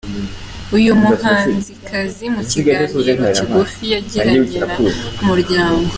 Uyu muhanzi kazi mu kiganiro kigufi yagiranye na Umuryango.